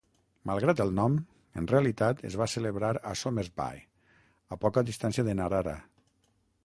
Malgrat el nom, en realitat es va celebrar a Somersby, a poca distància de Narara.